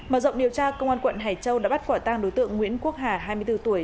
mở rộng điều tra công an quận hải châu đã bắt quả tang đối tượng nguyễn quốc hà hai mươi bốn tuổi